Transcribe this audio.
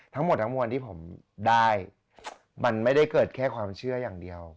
ทั้งหมดทั้งมวลที่ผมได้มันไม่ได้เกิดแค่ความเชื่ออย่างเดียว